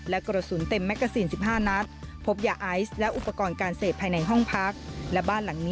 และกรสุนเต็มแม็กซีน๑๕นัท